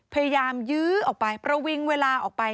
ยื้อออกไปประวิงเวลาออกไป